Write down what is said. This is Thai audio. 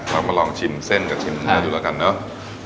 เรามาลองชิมเส้นกับชิมเนื้อดูแล้วกันเนอะ